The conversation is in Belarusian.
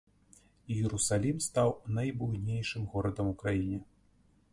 Іерусалім стаў найбуйнейшым горадам у краіне.